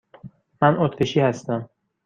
من اتریشی هستم.